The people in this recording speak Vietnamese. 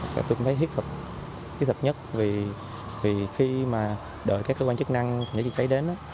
tôi thấy thiết thực nhất vì khi mà đợi các cơ quan chức năng chữa cháy đến